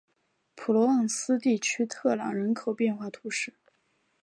普罗旺斯地区特朗人口变化图示